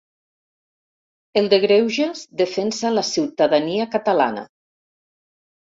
El de greuges defensa la ciutadania catalana.